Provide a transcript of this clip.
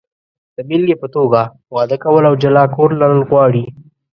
د بېلګې په توګه، واده کول او جلا کور لرل غواړي.